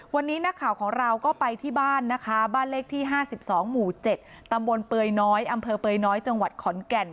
วันนี้นักข่าวของเราก็ไปที่บ้านนะคะบ้านเลขที่๕๒หมู่๗ตำบลเปยน้อยอำเภอเปยน้อยจังหวัดขอนแก่น